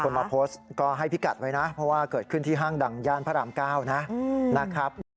มาโพสต์ก็ให้พิกัดไว้นะเพราะว่าเกิดขึ้นที่ห้างดังย่านพระราม๙นะครับ